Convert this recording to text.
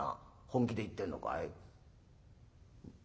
「本気で言ってんのかい？」。